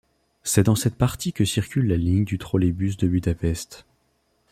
C'est dans cette partie que circule la ligne du trolleybus de Budapest.